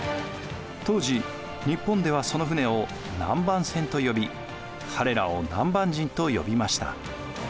当時日本ではその船を南蛮船と呼び彼らを南蛮人と呼びました。